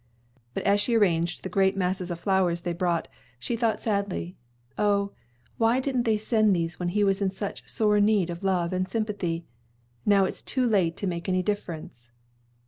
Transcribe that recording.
But as she arranged the great masses of flowers they brought, she thought sadly, "O, why didn't they send these when he was in such sore need of love and sympathy? Now it's too late to make any difference."